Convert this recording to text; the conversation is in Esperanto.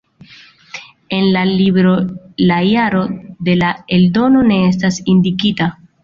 En la libro la jaro de la eldono ne estas indikita.